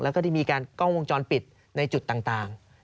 แล้วก็ได้มีการกล้องวงจรปิดในจุดต่าง